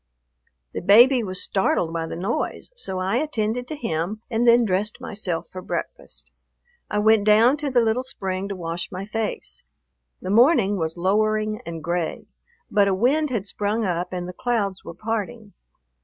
The baby was startled by the noise, so I attended to him and then dressed myself for breakfast. I went down to the little spring to wash my face. The morning was lowering and gray, but a wind had sprung up and the clouds were parting.